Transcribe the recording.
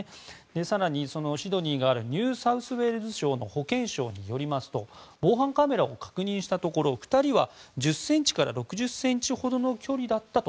更に、シドニーがあるニューサウスウェールズ州の保健相によりますと防犯カメラを確認したところ２人は１０ｃｍから６０ｃｍほどの距離だったと。